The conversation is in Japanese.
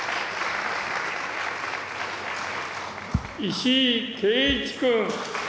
石井啓一君。